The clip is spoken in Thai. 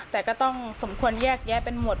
แต่ก็ต้องสมควรแยกแยะเป็นหมด